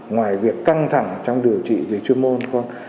ngoài việc căng thẳng trong điều trị về chuyên môn